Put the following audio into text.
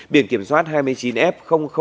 biển kiểm soát hai mươi chín f sáu trăm linh tám